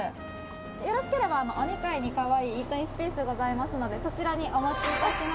よろしければお二階にかわいいイートインスペースございますのでそちらにお持ち致します。